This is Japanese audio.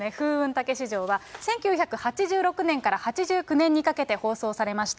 たけし城は１９８６年から８９年にかけて放送されました。